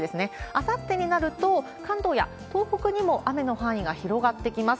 あさってになると、関東や東北にも雨の範囲が広がってきます。